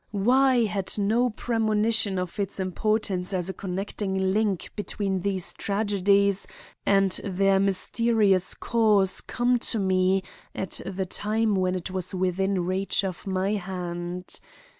Why had no premonition of its importance as a connecting link between these tragedies and their mysterious cause come to me at the time when it was within reach of my hand?